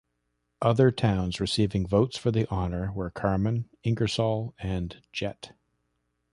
Other towns receiving votes for the honor were Carmen, Ingersoll, and Jet.